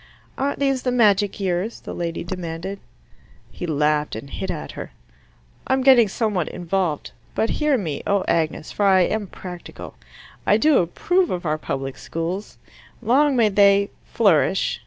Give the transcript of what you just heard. "Aren't these the magic years?" the lady demanded. He laughed and hit at her. "I'm getting somewhat involved. But hear me, O Agnes, for I am practical. I approve of our public schools. Long may they, flourish.